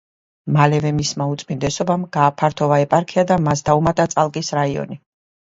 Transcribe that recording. მალევე მისმა უწმიდესობამ გააფართოვა ეპარქია და მას დაუმატა წალკის რაიონი.